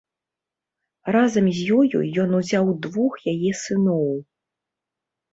Разам з ёю ён узяў двух яе сыноў.